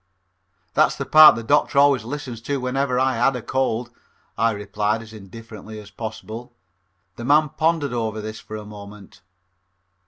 "That's the part the doctor always listened to whenever I had a cold," I replied as indifferently as possible. The man pondered over this for a moment.